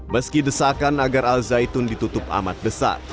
meski desakan agar al zaitun ditutup amat besar